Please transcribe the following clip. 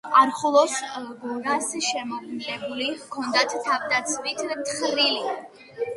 არუხლოს გორას შემოვლებული ჰქონდა თავდაცვითი თხრილი.